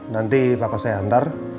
nanti bapak saya hantar